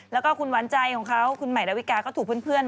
แล้วก็คุณหวานใจของเขาคุณใหม่ดาวิกาก็ถูกเพื่อน